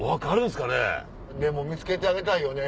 でも見つけてあげたいよね。